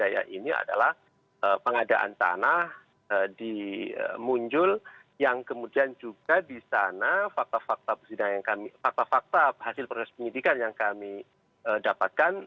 yaitu pengadaan tanah di munjul yang kemudian juga di sana fakta fakta hasil proses penyidikan yang kami dapatkan